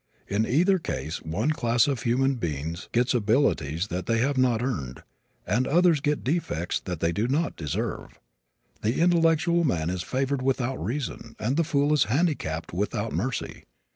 In either case one class of human beings gets abilities that they have not earned and others get defects that they do not deserve. The intellectual man is favored without reason and the fool is handicapped without mercy.